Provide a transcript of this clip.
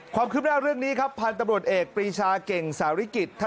ความคืบหน้าเรื่องนี้ครับพันธุ์ตำรวจเอกปรีชาเก่งสาริกิจ